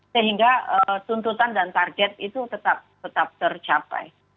sehingga tuntutan dan target itu tetap tercapai